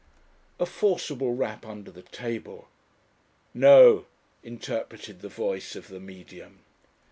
A forcible rap under the table. "No!" interpreted the voice of the Medium.